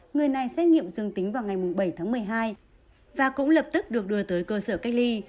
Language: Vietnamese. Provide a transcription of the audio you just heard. người này xét nghiệm dương tính vào ngày bảy tháng một mươi hai và cũng lập tức được đưa tới cơ sở cách ly